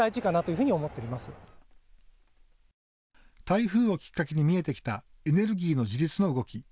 台風をきっかけに見えてきたエネルギーの自立の動き。